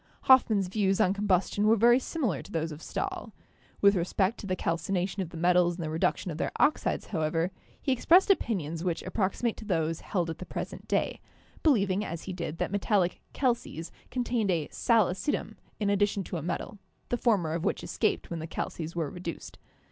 Hoffmann's views on combustion were very similar to those of »Stahl. With respect to the calcination of the metals and the reduction of their oxides, however, he ex pressed opinions which approximate to those held at the present day, believing, as he did, that metallic 'calces' con tained a 'sal acidum' in addition to a metal, the former of which escaped when the 'calces' were reduced.